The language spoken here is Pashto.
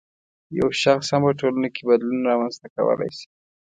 یو شخص هم په ټولنه کې بدلون رامنځته کولای شي.